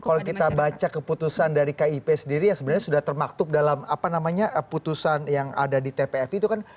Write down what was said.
kalau kita baca keputusan dari kip sendiri yang sebenarnya sudah termaktub dalam apa namanya putusan yang ada di tpf itu kan